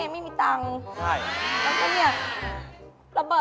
แม่หรือ